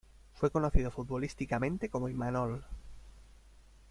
Fue conocido futbolísticamente como Imanol.